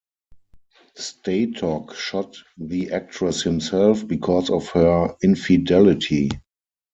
Statoc shot the actress himself because of her infidelity.